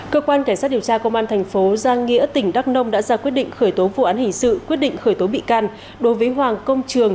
cơ quan cảnh sát điều tra công an thành phố giang nghĩa tỉnh đắk nông đã ra quyết định khởi tố vụ án hình sự quyết định khởi tố bị can đối với hoàng công trường